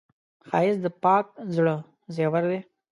ښایست د پاک زړه زیور دی